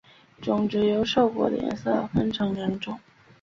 种子由瘦果的颜色分成两种。